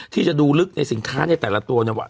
ที่จะดูลึกในสินค้าในแต่ละตัวเนี่ยว่า